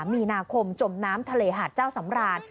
มีนาคมจมน้ำทะเลหาดเจ้าสำราน